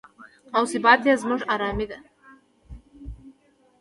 او ثبات یې زموږ ارامي ده.